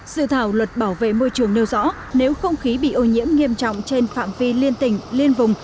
dự thảo luật bảo vệ môi trường nêu rõ nếu không khí bị ô nhiễm nghiêm trọng trên phạm vi liên tỉnh liên vùng